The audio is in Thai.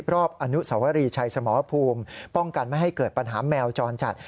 รอบอนุสวรีชัยสมรภูมิป้องกันไม่ให้เกิดปัญหาแมวจรจัด